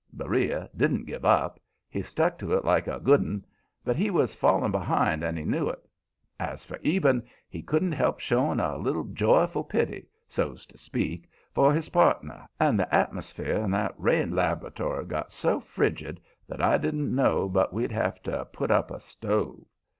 Beriah didn't give up; he stuck to it like a good one, but he was falling behind and he knew it. As for Eben, he couldn't help showing a little joyful pity, so's to speak, for his partner, and the atmosphere in that rain lab'ratory got so frigid that I didn't know but we'd have to put up a stove.